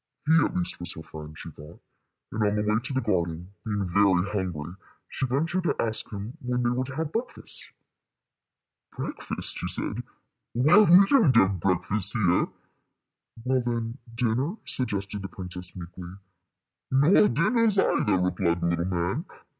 He at least was her friend, she thought; and on the way to the garden, being very hungry, she ventured to ask him when they were to have breakfast. "Breakfast!" he said. "Why, we don't have breakfasts here." "Well, then, dinner," suggested the princess, meekly. "Nor dinners either," replied the little man.